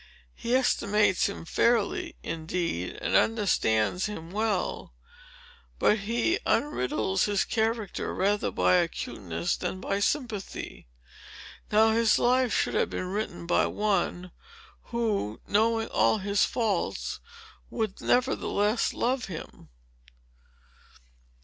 He estimates him fairly, indeed, and understands him well; but he unriddles his character rather by acuteness than by sympathy. Now, his life should have been written by one, who, knowing all his faults, would nevertheless love him."